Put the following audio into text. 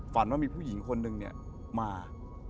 ฝันว่ามีผู้หญิงคนนึงเนี่ยมา